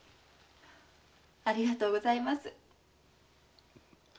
ありがとうございます。